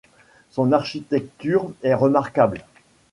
Son architecture est remarquable.